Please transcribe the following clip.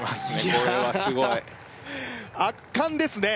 これはすごいいやあ圧巻ですね